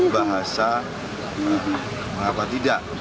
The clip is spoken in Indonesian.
bahasa mengapa tidak